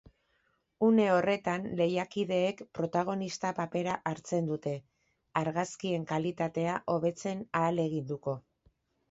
Une horretan lehiakideek protagonista papera hartzen dute, argazkien kalitatea hobetzen ahaleginduko baitira.